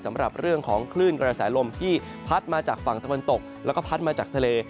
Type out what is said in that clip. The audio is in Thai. สำหรับเรื่องของคลื่นกระแสลมที่พัดมาจากฝั่งตะวันตกแล้วก็พัดมาจากทะเล